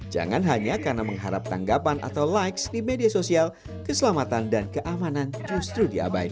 jangan hanya karena mengharap tanggapan atau likes di media sosial keselamatan dan keamanan justru diabaikan